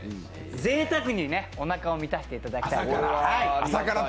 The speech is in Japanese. ぜいたくにおなかを満たしていただきたい。